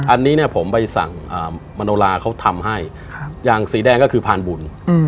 อันนี้เนี่ยผมใบสั่งมโนลาเขาทำให้อย่างสีแดงก็คือพานบุญ